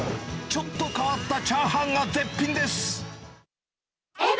ちょっと変わったチャーハンが絶品です。